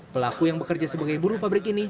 pelaku yang bekerja sebagai buruh pabrik ini